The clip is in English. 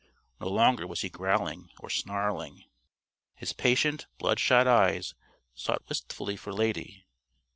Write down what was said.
No longer was he growling or snarling. His patient, bloodshot eyes sought wistfully for Lady.